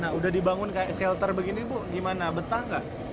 nah udah dibangun kayak shelter begini bu gimana betah nggak